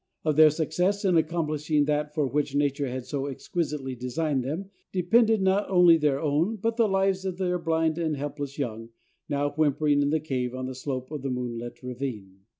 On their success in accomplishing that for which nature had so exquisitely designed them depended not only their own, but the lives of their blind and helpless young, now whimpering in the cave on the slope of the moon lit ravine.